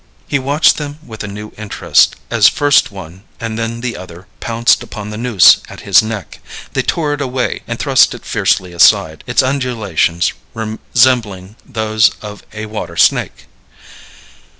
He watched them with a new interest as first one and then the other pounced upon the noose at his neck. They tore it away and thrust it fiercely aside, its undulations resembling those of a water snake.